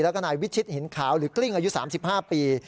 แล้วก็นายวิชิตหินขาวหรือกลิ้งอายุ๓๕ปี